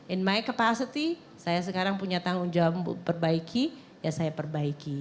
in my capacity saya sekarang punya tanggung jawab perbaiki ya saya perbaiki